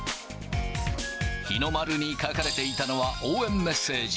日の丸に書かれていたのは、応援メッセージ。